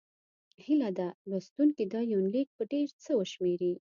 هيله ده لوستونکي دا یونلیک په ډېر څه وشمېري.